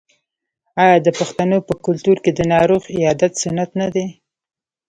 آیا د پښتنو په کلتور کې د ناروغ عیادت سنت نه دی؟